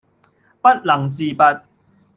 不能自拔